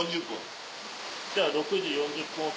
じゃあ６時４０分起き。